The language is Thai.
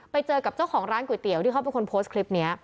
ไปเจอกับเจ้าของร้านก๋วยเตี๋ยวที่เขาเป็นคนโพสต์คลิปนี้